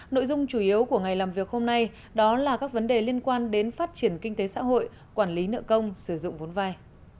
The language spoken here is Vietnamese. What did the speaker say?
nội dung chủ yếu của ngày làm việc hôm nay đó là các vấn đề liên quan đến phát triển kinh tế xã hội quản lý nợ công sử dụng vốn vai